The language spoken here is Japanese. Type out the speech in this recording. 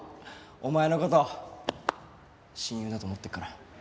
お前の事親友だと思ってるから。